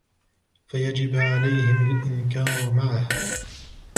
فَيَجِبَ عَلَيْهِمْ الْإِنْكَارُ مَعَهُ